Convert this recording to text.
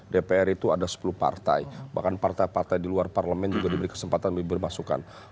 dpr itu ada sepuluh partai bahkan partai partai di luar parlemen juga diberi kesempatan bermasukan